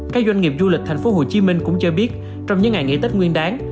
các doanh nghiệp du lịch tp hcm cũng cho biết trong những ngày nghỉ tết nguyên đáng